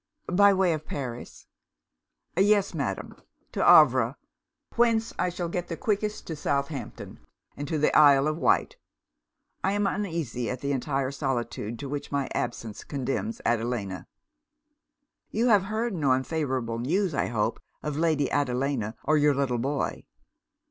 'By way of Paris?' 'Yes, Madam, to Havre; whence I shall get the quickest to Southampton, and to the Isle of Wight. I am uneasy at the entire solitude to which my absence condemns Adelina.' 'You have heard no unfavourable news, I hope, of Lady Adelina or your little boy?'